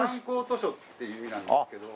図書っていう意味なんですけど。